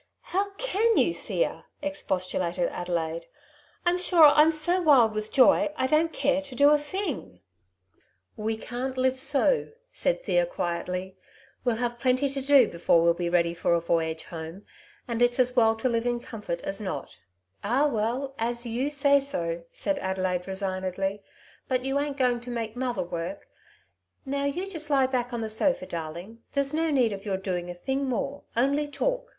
^' How can you, Thea ?" expostulated Adelaide. ^^ I'm sure I'm so wild with joy I don't care to do a thing." The Delanys' Side of the Question. 169 "We can't live so," said Thea quietly; "we'll have plenty to do before we'll be ready for a voyage home, and it's as well to live in comfort as not." " Ah well, as you say so," said Adelaide resignedly; " but you ain't going to make mother work. Now you just lie back on the sofa, darling ; there's no need of your doing a thing more, only talk."